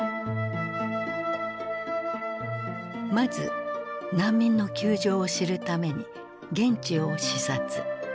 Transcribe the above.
まず難民の窮状を知るために現地を視察。